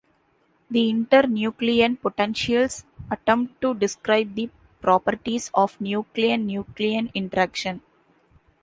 The internucleon potentials attempt to describe the properties of nucleon-nucleon interaction.